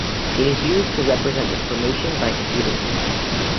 It is used to represent information by computers.